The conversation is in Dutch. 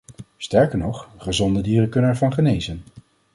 Sterker nog: gezonde dieren kunnen ervan genezen.